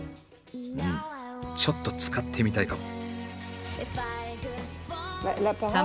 うんちょっと使ってみたいかも。